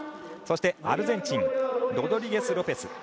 そして、アルゼンチンロドリゲスロペス。